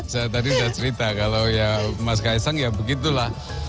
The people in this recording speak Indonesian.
saya tadi sudah cerita kalau ya mas kaisang ya begitulah